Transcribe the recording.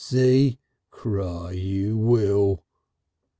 See? Cry you will."